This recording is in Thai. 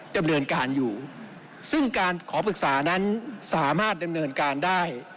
ดำเนินการอยู่ซึ่งการขอปรึกษานั้นสามารถดำเนินการได้